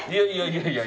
いやいや。